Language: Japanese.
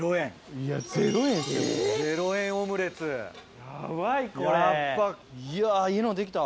いやいいのできた。